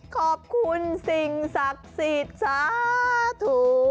ขอบคุณสิ่งศักดิ์สิทธิ์สาธุ